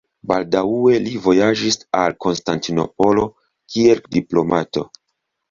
Baldaŭe li vojaĝis al Konstantinopolo, kiel diplomato.